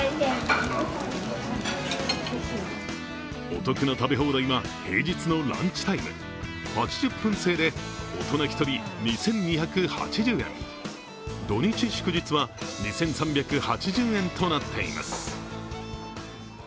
お得な食べ放題は平日のランチタイム、８０分制で大人１人２２８０円土日祝日は２３８０円となってます。